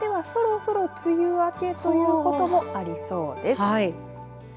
沖縄では、そろそろ梅雨明けということもありそうです。